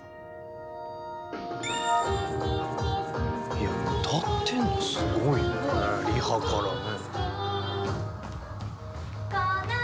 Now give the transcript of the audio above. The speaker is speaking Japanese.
いや歌ってんのすごいねリハからね。